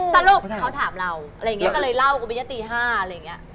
สรุปเขาถามเราอะไรอย่างนี้ก็เลยเล่ากันไปยะตี๕อะไรอย่างนี้